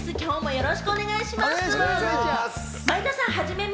よろしくお願いします。